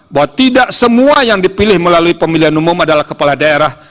bahwa tidak semua yang dipilih melalui pemilihan umum adalah kepala daerah